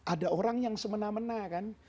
ada orang yang semena mena kan